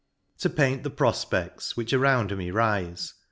To paint the profpc^ls which around me rife.